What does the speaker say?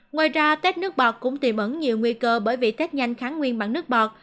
ngoài ra tết nước bọt cũng tiềm ẩn nhiều nguy cơ bởi vì tết nhanh kháng nguyên mặn nước bọt